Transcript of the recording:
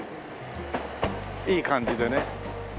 いい感じでね。